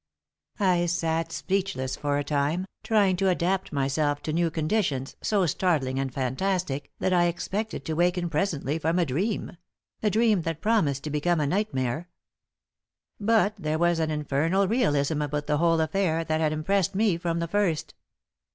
I sat speechless for a time, trying to adapt myself to new conditions so startling and fantastic that I expected to waken presently from a dream a dream that promised to become a nightmare. But there was an infernal realism about the whole affair that had impressed me from the first.